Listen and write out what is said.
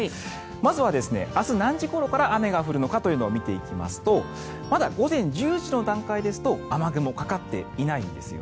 まずは、明日何時ごろから雨が降るのかというのを見ていきますとまだ午前１０時の段階ですと雨雲はかかっていないんです。